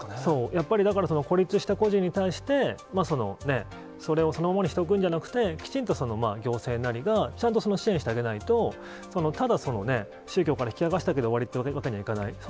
やっぱりだから孤立した個人に対して、それをそのままにしておくんじゃなくて、きちんと行政なりが、ちゃんと支援してあげないと、ただ、宗教から引き剥がすだけで終わりっていうわけにはいかない。